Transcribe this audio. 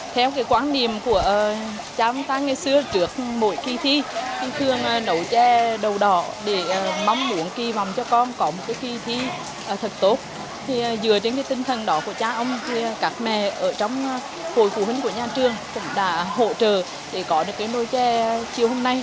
tinh thần đó của cha ông các mẹ ở trong hội phụ huynh của nhà trường cũng đã hỗ trợ để có được nồi chè chiều hôm nay